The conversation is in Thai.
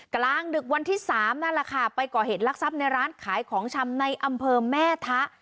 กลางดึกวันที่๓นั่นแหละค่ะไปก่อเหตุลักษัพในร้านขายของชำในอำเภอแม่ทะ